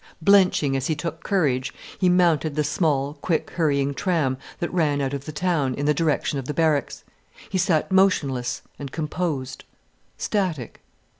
Blenching as he took courage, he mounted the small, quick hurrying tram that ran out of the town in the direction of the barracks. He sat motionless and composed, static.